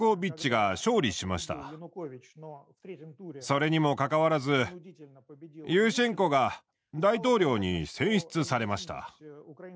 それにもかかわらずユーシェンコが大統領に選出されました。